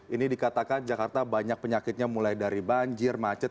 ini dikatakan jakarta banyak penyakitnya mulai dari banjir macet